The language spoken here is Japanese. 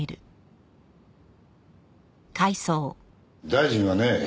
大臣はね